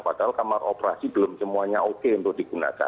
padahal kamar operasi belum semuanya oke untuk digunakan